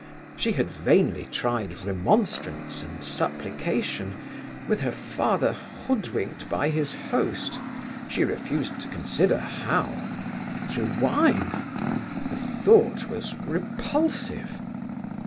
She had vainly tried remonstrance and supplication with her father hoodwinked by his host, she refused to consider how; through wine? the thought was repulsive.